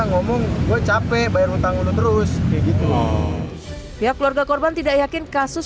ngomong gue capek bayar hutang dulu terus kayak gitu pihak keluarga korban tidak yakin kasus